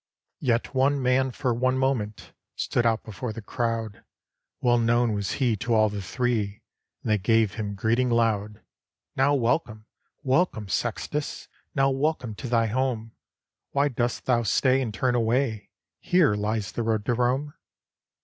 283 ROME Yet one man for one moment Stood out before the crowd; Well known was he to all the Three, And they gave him greeting loud, "Now welcome, welcome, Sextus! Now welcome to thy home ! Why dost thou stay, and turn away? Here lies the road to Rome."